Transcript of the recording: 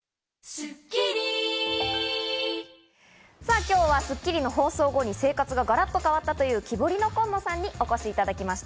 今日は『スッキリ』の放送後に生活がガラッと変わったという、キボリノコンノさんにお越しいただきました。